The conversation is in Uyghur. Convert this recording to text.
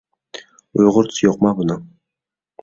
ئۇيغۇرچىسى يوقما بۇنىڭ؟